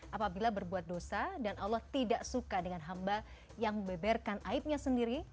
apabila berbuat dosa dan allah tidak suka dengan hamba yang membeberkan aibnya sendiri